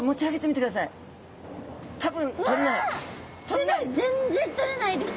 すごい全然取れないです！